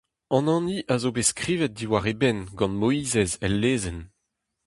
An hini a zo bet skrivet diwar e benn gant Moizez el lezenn.